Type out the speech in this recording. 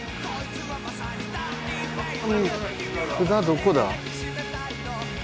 札どこだ？